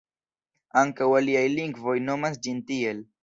Ankaŭ aliaj lingvoj nomas ĝin tiel.